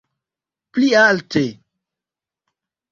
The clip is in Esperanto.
Pli alte!